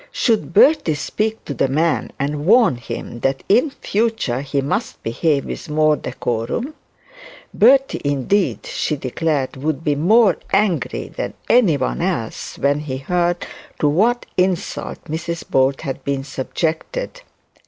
Should Bertie speak to the man, and warn him that in future he must behave with more decorum? Bertie, indeed, she declared, would be more angry than any one else when he heard to what insult Mrs Bold had been subjected.